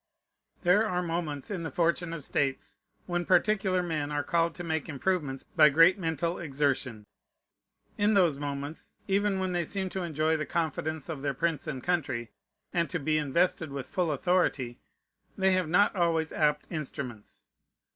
There are moments in the fortune of states, when particular men are called to make improvements by great mental exertion. In those moments, even when they seem to enjoy the confidence of their prince and country, and to be invested with full authority, they have not always apt instruments.